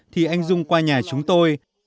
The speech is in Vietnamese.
thì anh dung qua nhà chúng tôi